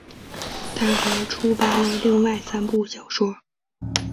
她还出版了另外三部小说。